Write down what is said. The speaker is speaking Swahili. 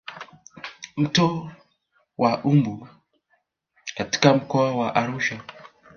Mto wa mbu katika mkoa wa Arusha